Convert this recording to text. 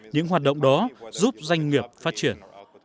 những hoạt động đó giúp doanh nghiệp phát triển